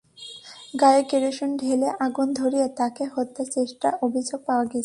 গায়ে কেরোসিন ঢেলে আগুন ধরিয়ে তাঁকে হত্যার চেষ্টার অভিযোগ পাওয়া গেছে।